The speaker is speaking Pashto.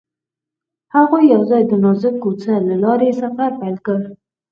هغوی یوځای د نازک کوڅه له لارې سفر پیل کړ.